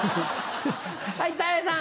はいたい平さん。